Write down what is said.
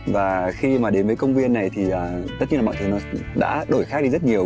và khi mà đến với công viên này thì tất nhiên là mọi thứ nó đã đổi khác đi rất nhiều